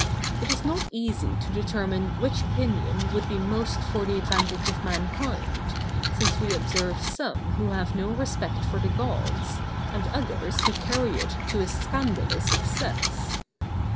It is not easy to determine which opinion would be most for the advantage of mankind, since we observe some who have no respect for the Gods, and others who carry it to a scandalous excess.